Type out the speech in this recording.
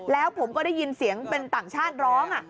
แล้วผมก็ได้ยินเสียงเป็นต่างชาติร้อง